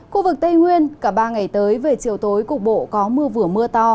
khu vực tây nguyên cả ba ngày tới về chiều tối cục bộ có mưa vừa mưa to